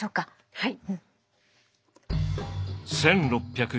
はい。